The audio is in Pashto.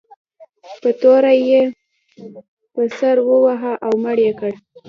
په توره یې پر سر وواهه او مړ یې کړ.